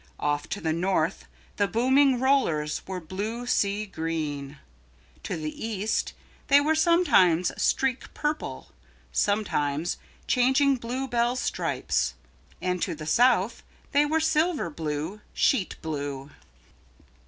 Off to the north the booming rollers were blue sea green. To the east they were sometimes streak purple, sometimes changing bluebell stripes. And to the south they were silver blue, sheet blue.